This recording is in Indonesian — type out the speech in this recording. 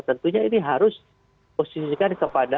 tentunya ini harus posisikan kepada jabatan yang berkaitan dengan penyelamat